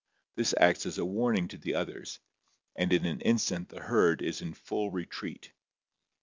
This acts as a warning to the others and in an instant the herd is in full retreat.